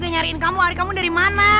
saya sudah cari kamu semua hari ini dari mana